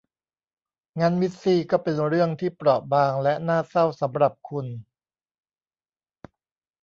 งั้นมิสซี่ก็เป็นเรื่องที่เปราะบางและน่าเศร้าสำหรับคุณ